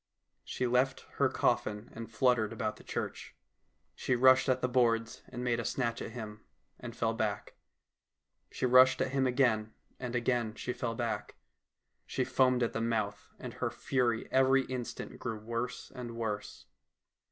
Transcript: She left her coffin and fluttered about the church. She rushed at the boards and made a snatch at him, and fell back ; she rushed at him again, and again she fell back. She foamed at the mouth, and her fury every instant grew worse and worse.